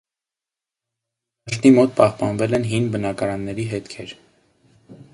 Դամբարանադաշտի մոտ պահպանվել են հին բնակարանների հետքեր։